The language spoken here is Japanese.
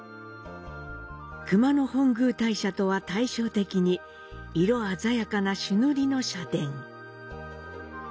熊野本宮大社とは対称的に色鮮やかな朱塗りの社殿。